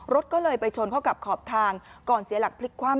รถก็เลยไปชนเข้ากับขอบทางก่อนเสียหลักพลิกคว่ำ